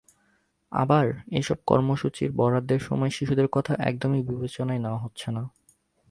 আবার, এসব কর্মসূচির বরাদ্দের সময় শিশুদের কথা একদমই বিবেচনায় নেওয়া হচ্ছে না।